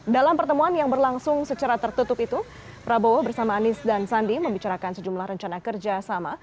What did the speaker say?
dalam pertemuan yang berlangsung secara tertutup itu prabowo bersama anies dan sandi membicarakan sejumlah rencana kerjasama